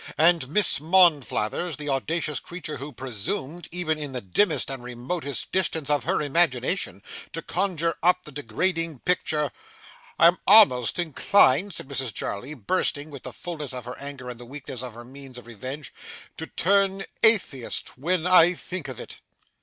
And Miss Monflathers, the audacious creature who presumed, even in the dimmest and remotest distance of her imagination, to conjure up the degrading picture, 'I am a'most inclined,' said Mrs Jarley, bursting with the fulness of her anger and the weakness of her means of revenge, 'to turn atheist when I think of it!